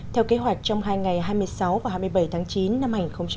theo kế hoạch trong hai ngày hai mươi sáu và hai mươi bảy tháng chín năm hai nghìn hai mươi